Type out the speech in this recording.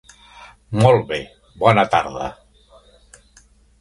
Molt bé, bona tarda!